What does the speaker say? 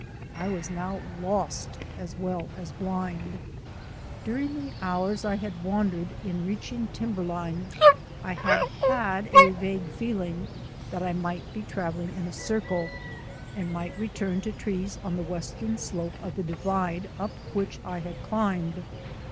I was now lost as well as blind. During the hours I had wandered in reaching SNOW BLINDED ON THE SUMMIT 7 timberline I had had a vague feeling that I might be travelling in a circle, and might return to trees on the western slope of the Divide up which I had climbed.